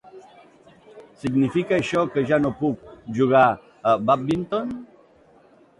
Significa això que ja no puc jugar a bàdminton?